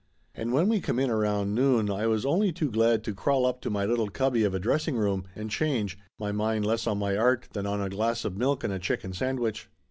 And when we come in around noon I was only too glad to crawl up to my little cubby of a dressing room and change, my mind less on my art than on a glass of milk and a chicken sandwich.